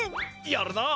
やるな！